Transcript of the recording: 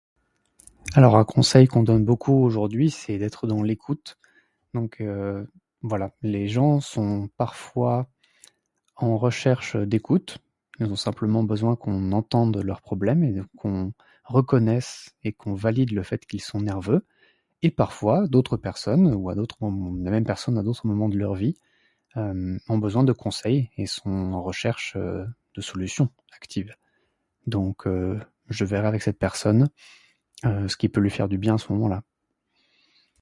Alors, un conseil qu'on donne beaucoup aujourd'hui c'est d'être dans l'écoute. Donc voilà. Les gens sont parfois en recherche d'écoute, ils ont simplement besoin qu'on entende leurs problèmes, qu'on reconnaisse et qu'on valide le fait qu'ils sont nerveux. Et parfois d'autres personnes ou la même personne à d'autres moments de leur vie ont besoin de conseils et sont en recherche de solutions actives. Donc je verrai avec cette personne ce qui peut lui faire du bien à ce moment-là.